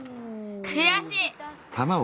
くやしい！